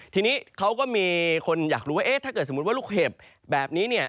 ทีนี้เขาก็มีคนอยากรู้ว่าเอ๊ะถ้าเกิดสมมุติว่าลูกเห็บแบบนี้เนี่ย